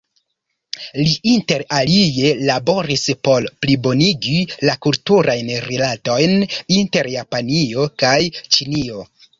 Li inter alie laboris por plibonigi la kulturajn rilatojn inter Japanio kaj Ĉinio.